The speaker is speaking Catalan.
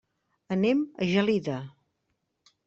Anem a Gelida.